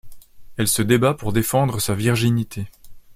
Elle se débat pour défendre sa virginité.